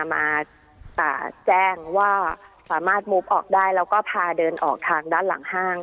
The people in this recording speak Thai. มาแจ้งว่าสามารถมุบออกได้แล้วก็พาเดินออกทางด้านหลังห้าง